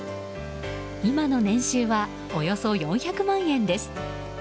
今の年収はおよそ４００万円です。